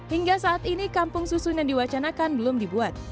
hingga saat ini kampung susun yang diwacanakan belum dibuat